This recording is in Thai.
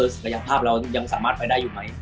ศักยภาพเรายังสามารถไปได้อยู่ไหม